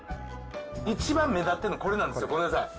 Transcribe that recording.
一番目立ってるのこれなんですよ、ごめんなさい。